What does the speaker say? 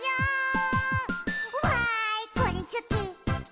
「わーいこれすき！